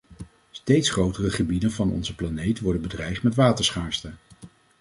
Steeds grotere gebieden van onze planeet worden bedreigd met waterschaarste.